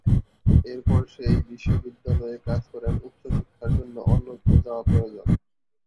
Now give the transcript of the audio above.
এরপর সেই বিশ্ববিদ্যালয়ে কাজ করেন উচ্চ শিক্ষার জন্য অন্যত্র যাওয়া পর্যন্ত।